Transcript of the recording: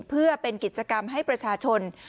เพื่อเป็นกิจกรรมให้ประชาชน